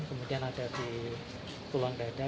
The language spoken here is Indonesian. kemudian ada di tulang dada